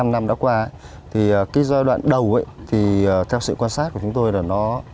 bốn mươi năm năm đã qua thì cái giai đoạn đầu ấy thì theo sự quan sát của chúng tôi là nó